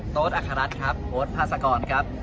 โต๊ศแอทหารัตครับโอธภาษากรครับ